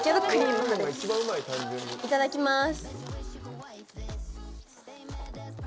いただきます。